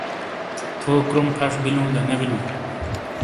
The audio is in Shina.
تھو کروم پھݜ بیلوں دا نے بلوں؟